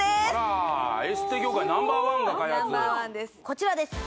こちらです